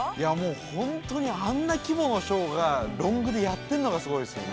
◆本当にあんな規模のショーが、ロングでやってるのが、すごいですね。